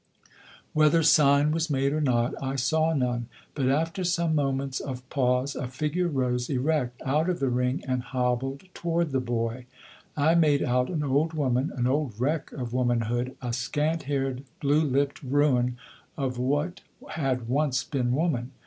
Whether sign was made or not, I saw none; but after some moments of pause a figure rose erect out of the ring and hobbled toward the boy. I made out an old woman, an old wreck of womanhood, a scant haired, blue lipped ruin of what had once been woman.